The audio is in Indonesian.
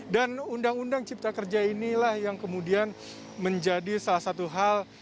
dan undang undang cipta kerja inilah yang kemudian menjadi salah satu hal